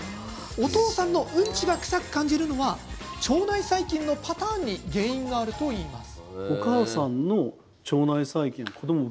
お父さんのうんちがクサく感じるのは腸内細菌のパターンに原因があるといいます。